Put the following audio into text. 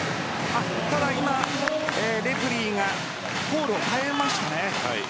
ただ、今レフリーがコールを変えましたね。